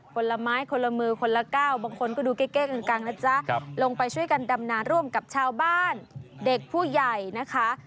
คนละไม้คนละมือคนละก้าวบางคนก็ดูเก้กังนะจ๊ะลงไปช่วยกันดำนาร่วมกับชาวบ้านเด็กผู้ใหญ่นะคะ